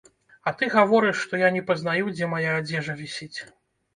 А ты гаворыш, што я не пазнаю, дзе мая адзежа вісіць.